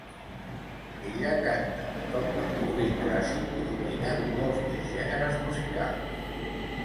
Ella canta, toca el violí clàssic i domina molts més gèneres musicals.